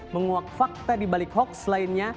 menguak fakta dibalik hoax lainnya